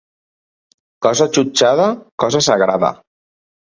Cosa jutjada, cosa sagrada.